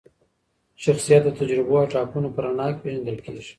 شخصیت د تجربو او ټاکنو په رڼا کي پیژندل کیږي.